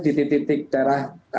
di titik titik daerah